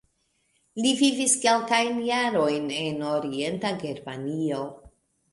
Li vivis kelkajn jarojn en Orienta Germanio.